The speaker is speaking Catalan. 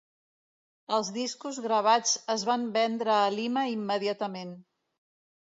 Els discos gravats es van vendre a Lima immediatament.